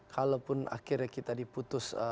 kalaupun akhirnya kita diputus